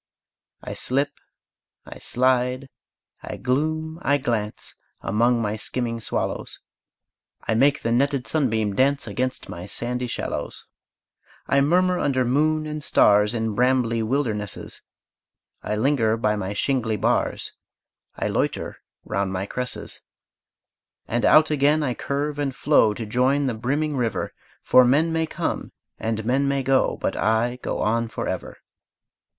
I slip, I slide, I gloom, I glance, Among my skimming swallows; I make the netted sunbeam dance Against my sandy shallows, I murmur under moon and stars In brambly wildernesses, I linger by my shingly bars, I loiter round my cresses; And out again I curve and flow To join the brimming river; For men may come and men may go, But I go on forever.